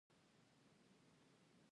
دا یو حقیقت دی او څیړنې پرې شوي دي